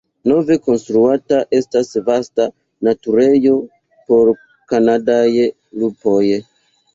Nove konstruata estas vasta naturejo por kanadaj lupoj.